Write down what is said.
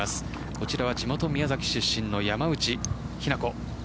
こちらは地元・宮崎出身の山内日菜子。